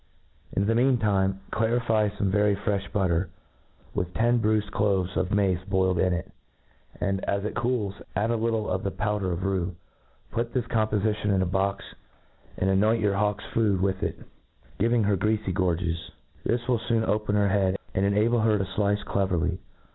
In * the mean time, clarify fome very frefh butter, with ten bf uifed cloves of mace boiled in it ^ and, as it cools, add a little of the powder of rue. Put tlu$ compofuion in a box^ and anoint your 45<J A T R E ATIS E Oi^ your hawk's food with it, giving her cafy gtk* ges. This will foou open her head^ and enable her to ffice cleverly.